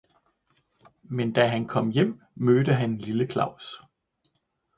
Men da han kom hen, mødte han lille Claus.